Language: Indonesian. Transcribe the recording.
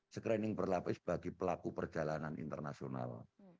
screening berlapis bagi pelaku perjalanan internasional